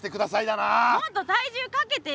もっと体重かけてよ！